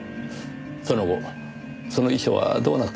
その後その遺書はどうなったのでしょう？